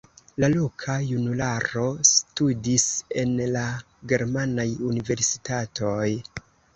La loka junularo studis en la germanaj universitatoj.